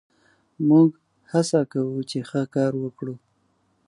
موږ هڅه کوو، چې ښه کار وکړو.